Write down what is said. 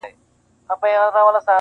• په نغمو په ترانو به یې زړه سوړ وو -